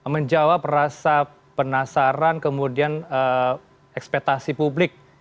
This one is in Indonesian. menjawab rasa penasaran kemudian ekspetasi publik